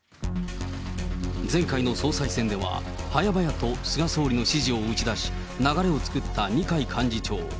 前回の総裁選では、早々と菅総理の支持を打ち出し、流れを作った二階幹事長。